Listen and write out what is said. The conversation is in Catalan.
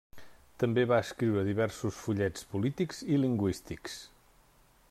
També va escriure diversos fullets polítics i lingüístics.